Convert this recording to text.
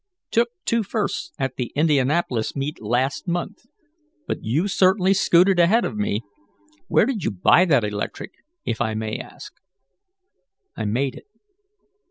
Took two firsts at the Indianapolis meet last month. But you certainly scooted ahead of me. Where did you buy that electric, if I may ask?" "I made it."